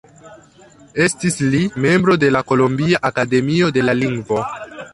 Estis li membro de la Kolombia akademio de la lingvo.